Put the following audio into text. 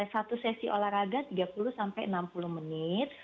satu sesi olahraga tiga puluh sampai enam puluh menit